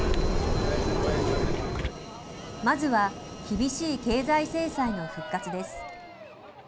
まずは厳しい経済制裁の復活です。